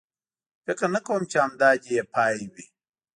خو فکر نه کوم، چې همدا دی یې پای وي.